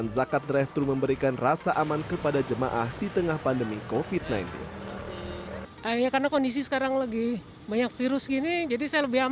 zakat fitrah zakat mal vidyah buat orang tua juga saya bayar di sini